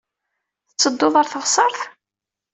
Tettedduḍ ɣer teɣsert?